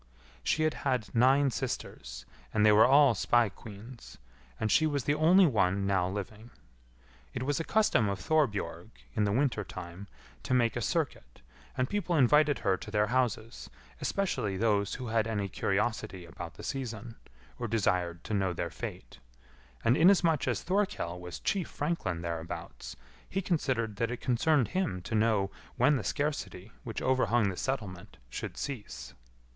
She had had nine sisters, and they were all spae queens, and she was the only one now living. It was a custom of Thorbjorg, in the winter time, to make a circuit, and people invited her to their houses, especially those who had any curiosity about the season, or desired to know their fate; and inasmuch as Thorkell was chief franklin thereabouts, he considered that it concerned him to know when the scarcity which overhung the settlement should cease.